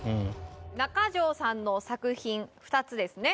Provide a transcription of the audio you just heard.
中城さんの作品、２つですね。